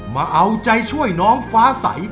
มาเอาใจช่วยน้องฟ้าใส